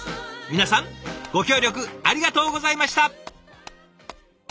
皆さんご協力ありがとうございました！